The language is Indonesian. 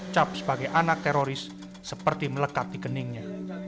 cap sebagai anak teroris seperti melekat di keningnya